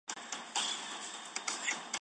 这个日期在纽康的太阳表也得到应用。